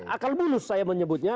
akal bulus saya menyebutnya